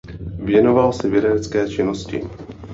Věnoval se vědecké činnosti.